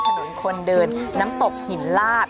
ถนนคนเดินน้ำตกหินลาบ